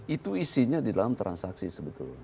itu isinya di dalam transaksi sebetulnya